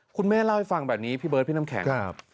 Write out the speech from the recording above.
คุณแม่เล่าให้ฟังแบบนี้พี่เบิร์ดพี่น้ำแข็ง